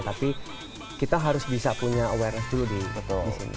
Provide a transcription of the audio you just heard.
tapi kita harus bisa punya awareness dulu di foto sini